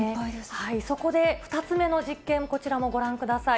そこで２つ目の実験、こちらもご覧ください。